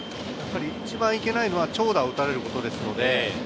一番いけないのは長打を打たれることです。